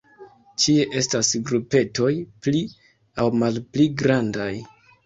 Ĉie estas grupetoj pli aŭ malpli grandaj.